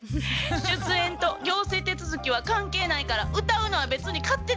出演と行政手続きは関係ないから歌うのは別に勝手でしょ？